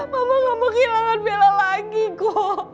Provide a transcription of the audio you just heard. mama gak mau kehilangan bella lagi ko